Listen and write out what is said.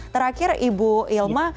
terakhir ibu ilma